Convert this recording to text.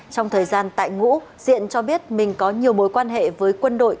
trong thời gian tại ngũ diện cho biết mình có nhiều mối quan hệ với quân đội